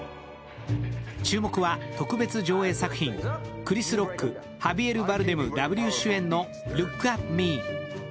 注目は、特別上映作品クリス・ロック、ハビエル・バルデムダブル主演の「ＬＯＯＫＡＴＭＥ」。